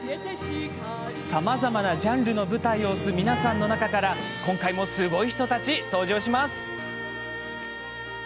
さまざまなジャンルの舞台を推す皆さんの中から今回もすごい人たちが登場します。